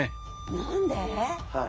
何で？